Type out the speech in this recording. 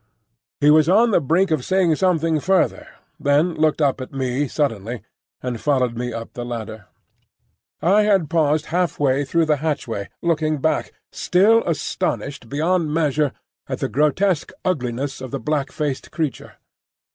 He was on the brink of saying something further, then looked up at me suddenly and followed me up the ladder. I had paused half way through the hatchway, looking back, still astonished beyond measure at the grotesque ugliness of this black faced creature.